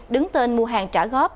đứng tên mua hàng trả góp